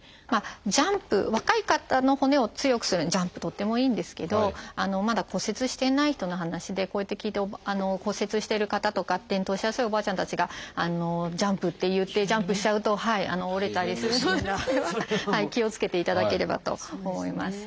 ジャンプ若い方の骨を強くするのにジャンプとってもいいんですけどまだ骨折していない人の話でこうやって聞いて骨折してる方とか転倒しやすいおばあちゃんたちがジャンプっていってジャンプしちゃうと折れたりするので気をつけていただければと思います。